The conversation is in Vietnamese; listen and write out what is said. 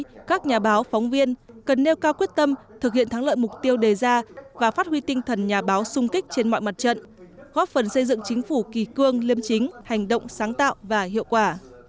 năm hai nghìn một mươi chín các nhà báo phóng viên cần nêu cao quyết tâm thực hiện thắng lợi mục tiêu đề ra và phát huy tinh thần nhà báo sung kích trên mọi mặt trận góp phần xây dựng chính phủ kỳ cương liêm chính hành động sáng tạo và hiệu quả